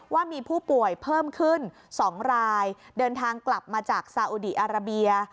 ว่ามีผู้ป่วยเพิ่มขึ้น๒รายเดินทางกลับมาจากซาอุดีอาราเบีย